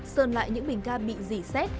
sơn lại những bình ga bị dỉ xét